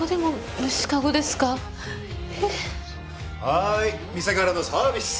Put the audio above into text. はーい店からのサービス。